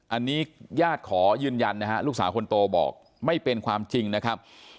อันนี้ญาติขอยืนยันนะฮะลูกสาวคนโตบอกไม่เป็นความจริงนะครับ